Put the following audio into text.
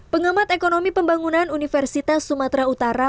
pengamat ekonomi pembangunan universitas sumatera utara